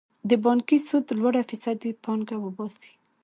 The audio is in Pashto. د بانکي سود لوړه فیصدي پانګه وباسي.